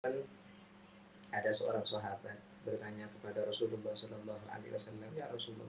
hai ada seorang sohabat bertanya kepada rasulullah shallallahu alaihi wasallam ya rasulullah